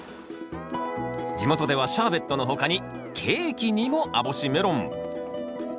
地元ではシャーベットの他にケーキにも網干メロン。